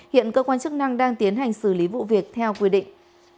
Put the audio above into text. hiện cơ quan chức năng đang tiến hành xử lý vụ việc theo quy định